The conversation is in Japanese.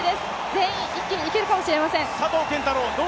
全員一気にいけるかもしれません。